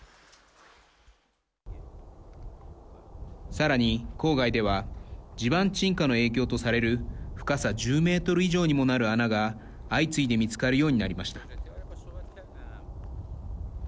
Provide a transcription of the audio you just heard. さらに郊外では地盤沈下の影響とされる深さ１０メートル以上にもなる穴が相次いで見つかるようになりました。